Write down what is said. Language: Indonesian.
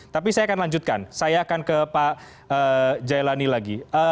tapi saya akan lanjutkan saya akan ke pak jailani lagi